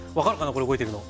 これ動いてるの。